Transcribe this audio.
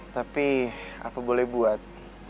tapi apa boleh buat